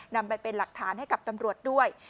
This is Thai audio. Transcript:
นำไปเป็นหลักฐานให้กับตำรวจด้วย